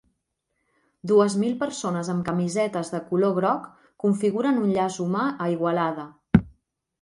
Dues mil persones amb camisetes de color groc configuren un llaç humà a Igualada